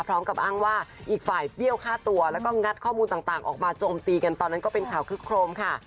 พร้อมกับอ้างว่าอีกฝ่ายเปรี้ยวฆ่าตัวแล้วก็งัดข้อมูลต่างออกมาโจมตีกันตอนนั้นก็เป็นข่าวคึกโครมค่ะ